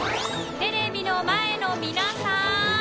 テレビの前の皆さん